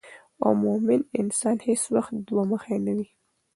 او مومن انسان هیڅ وخت دوه مخې نه وي